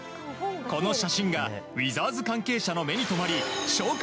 この写真がウィザーズ関係者の目に留まり紹介